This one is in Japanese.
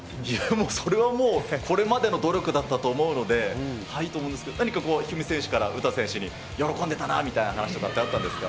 それはもう、これまでの努力だったと思うので、いいと思うんですけど、何か一二三選手から詩選手に、喜んでたなみたいな話ってあったんですか。